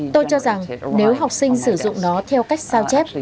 tôi cho rằng nếu học sinh sử dụng nó theo cách sao chép